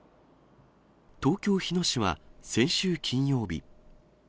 東京・日野市は先週金曜日。